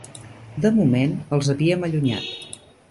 De moment, els havíem allunyat.